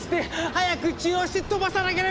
早く治療して飛ばさなければ！